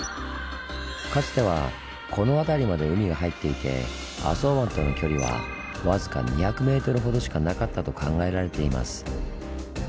かつてはこの辺りまで海が入っていて浅茅湾との距離は僅か２００ｍほどしかなかったと考えられています。